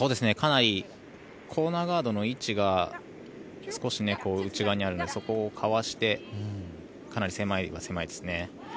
かなりコーナーガードの位置が少し内側にあるのでそこをかわしてかなり狭いは狭いですね。